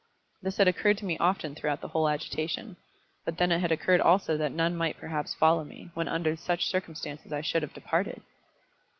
This had occurred to me often throughout the whole agitation; but then it had occurred also that none might perhaps follow me, when under such circumstances I should have departed!